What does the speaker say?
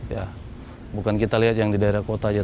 ya bukan kita lihat yang di daerah kota aja